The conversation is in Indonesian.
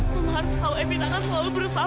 kamu harus tahu evita kan selalu berusaha